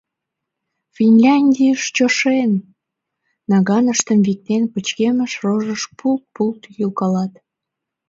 Финляндийыш чошен!» — наганыштым виктен, пычкемыш рожыш пулт-пулт лӱйкалат.